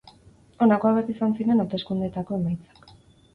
Honako hauek izan ziren hauteskundeetako emaitzak.